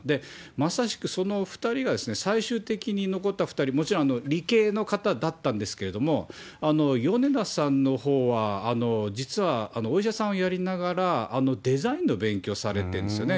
まさしくその２人が、最終的に残った２人、もちろん理系の方だったんですけれども、米田さんのほうは、実はお医者さんをやりながら、デザインの勉強されてるんですよね。